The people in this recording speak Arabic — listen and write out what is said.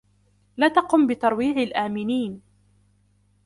لا تقم بترويع الآمنين.